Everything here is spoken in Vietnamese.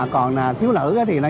còn thiếu nữ thì là